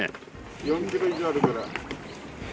４キロ以上あるから。